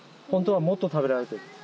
本当はもっと食べられてる。